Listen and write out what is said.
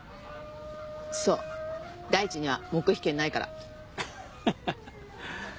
そう大地には黙秘権ないから。